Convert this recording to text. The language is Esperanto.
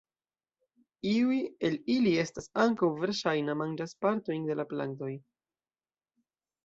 Iuj el ili estas ankaŭ verŝajna manĝas partojn de la plantoj.